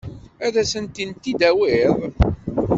Ad asent-tent-id-tawiḍ?